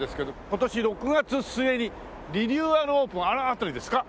今年６月末にリニューアルオープンあの辺りですか？